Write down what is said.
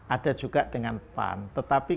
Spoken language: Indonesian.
ada juga dengan pan tetapi